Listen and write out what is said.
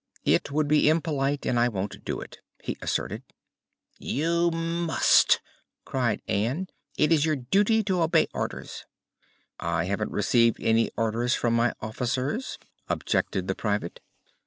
"It would be impolite, and I won't do it," he asserted. "You must!" cried Ann. "It is your duty to obey orders." "I haven't received any orders from my officers," objected the Private.